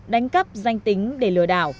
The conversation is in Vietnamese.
đánh cắp danh tính để lừa đảo